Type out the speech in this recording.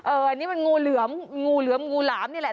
อันนี้มันงูเหลือมงูเหลือมงูหลามนี่แหละ